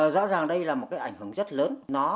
rõ ràng đây là một ảnh hưởng rất lớn